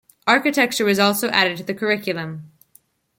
Architecture was also added to the curriculum.